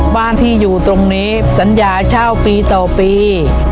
บ้านที่อยู่ตรงนี้สัญญาเช่าปีต่อปี